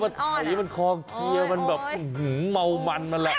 มันไถมันคอเคลียร์มันแบบเมามันนั่นแหละ